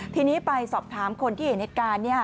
ทีนี้ไปสอบถามคนที่เห็นเหตุการณ์